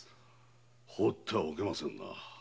放っておけませんな。